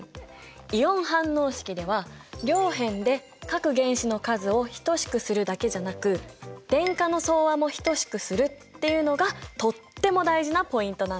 イオン反応式では両辺で各原子の数を等しくするだけじゃなく電荷の総和も等しくするっていうのがとっても大事なポイントなんだ。